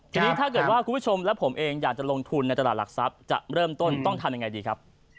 ทีนี้ถ้าเกิดว่าคุณผู้ชมและผมเองอยากจะลงทุนในตลาดหลักทรัพย์จะเริ่มต้นต้องทำยังไงดีครับ